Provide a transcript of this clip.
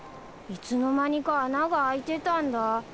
いつの間にか穴が開いてたんだ。